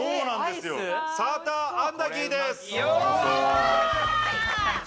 サーターアンダギーです。